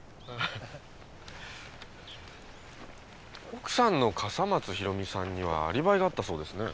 奥さんの笠松ひろみさんにはアリバイがあったそうですね。